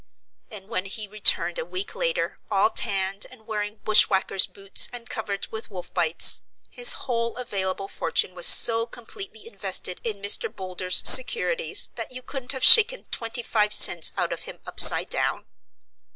And when he returned a week later, all tanned and wearing bush whackers' boots, and covered with wolf bites, his whole available fortune was so completely invested in Mr. Boulder's securities that you couldn't have shaken twenty five cents out of him upside down.